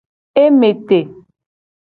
E me te.